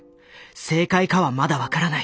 正解かはまだ分からない。